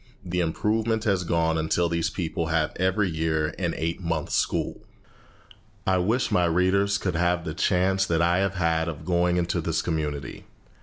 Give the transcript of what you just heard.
The improvement has gone on until these people have every year an eight months' school. I wish my readers could have the chance that I have had of going into this community.